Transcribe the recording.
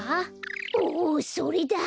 おそれだ！